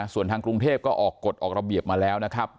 ส่วนทางกรุงเทพก็ออกกฎออกระเบียบมาแล้วนะครับ